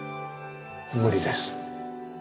無理です。